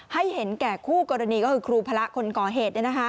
ให้เห็นแก่คู่กรณีก็คือครูพระคนก่อเหตุ